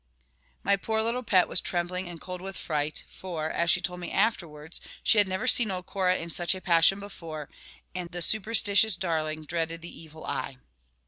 My poor little pet was trembling and cold with fright, for (as she told me afterwards) she had never seen old Cora in such a passion before, and the superstitious darling dreaded the evil eye.